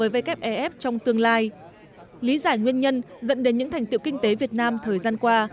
wef trong tương lai lý giải nguyên nhân dẫn đến những thành tiệu kinh tế việt nam thời gian qua